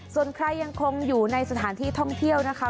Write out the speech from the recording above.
ส่วนใครยังคงอยู่ในสถานที่ท่องเที่ยวนะคะ